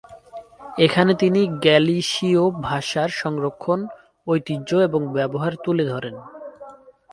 এখানে তিনি গ্যালিসিয় ভাষার সংরক্ষন, ঐতিহ্য এবং ব্যবহার তুলে ধরেন।